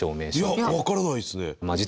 いや分からないですね。